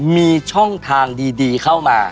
มีช่องทางดีเข้ามา